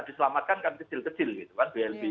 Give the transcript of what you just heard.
diselamatkan kan kecil kecil gitu kan blb